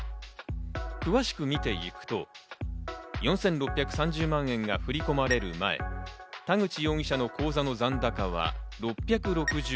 詳しく見ていくと、４６３０万円が振り込まれる前、田口容疑者の口座の残高は６６５円。